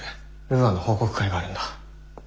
ウーアの報告会があるんだ。